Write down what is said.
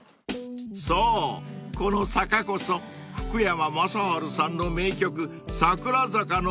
［そうこの坂こそ福山雅治さんの名曲『桜坂』の舞台］